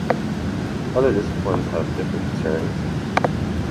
Other disciplines have different concerns.